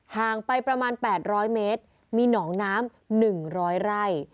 ห่างไปประมาณแปดร้อยเมตรมีหนองน้ำหนึ่งร้อยไร่